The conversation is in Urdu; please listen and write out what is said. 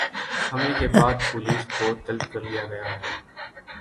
حملے کے بعد پولیس کو طلب کر لیا گیا ہے